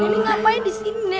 ini ngapain disini